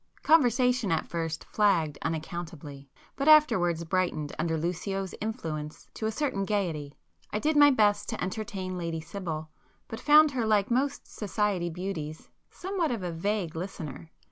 Conversation at first flagged unaccountably, but afterwards brightened under Lucio's influence to a certain gaiety. I did my best to entertain Lady Sibyl, but found her like most 'society' beauties, somewhat of a vague listener.